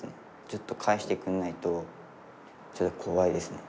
ずっと返してくれないとちょっと怖いですね。